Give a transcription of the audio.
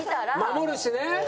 守るしね。